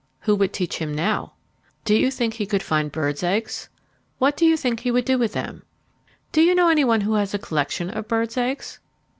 Who would teach him now? Do you think that he could find birds' eggs? What do you think he would do with them? Do you know any one who has a collection of birds' eggs?